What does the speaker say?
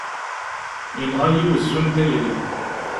Yenɣa-yi wezzu n tayri!